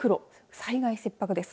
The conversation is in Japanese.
災害切迫です。